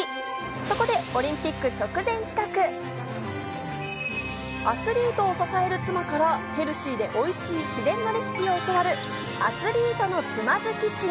そこでオリンピック直前企画、アスリートを支える妻からヘルシーでおいしい秘伝のレシピを教わるアスリートの妻’Ｓキッチン。